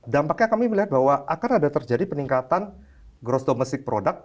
dampaknya kami melihat bahwa akan ada terjadi peningkatan gross domestic product